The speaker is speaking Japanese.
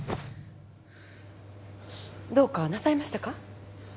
どうかなさいましたか？